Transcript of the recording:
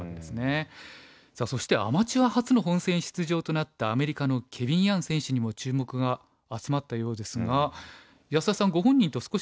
さあそしてアマチュア初の本戦出場となったアメリカのケビン・ヤン選手にも注目が集まったようですが安田さんご本人と少しお話しされたそうですね。